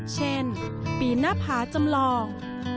เช่นปีหน้าผาจำลอง